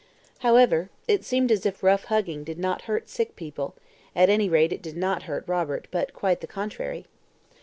However, it seemed as if good rough hugging did not hurt sick people; at any rate it did not hurt Robert, but quite the contrary.